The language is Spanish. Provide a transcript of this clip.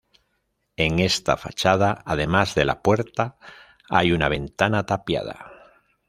En esta fachada además de la puerta hay una ventana tapiada.